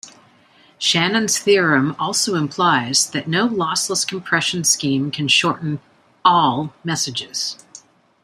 Shannon's theorem also implies that no lossless compression scheme can shorten "all" messages.